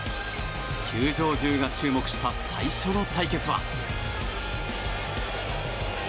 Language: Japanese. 球場中が注目した最初の対決は。